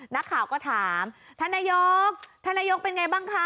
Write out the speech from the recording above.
นักข่าวก็ถามท่านนายกท่านนายกเป็นไงบ้างคะ